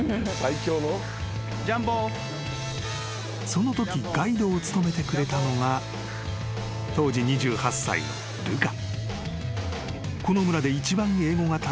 ［そのときガイドを務めてくれたのが当時２８歳のルカ］